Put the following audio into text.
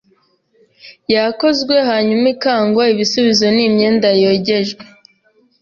yakozwe hanyuma ikagwa ibisubizo ni imyenda yogejwe